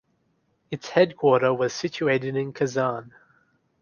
Its headquarter was situated in Kazan.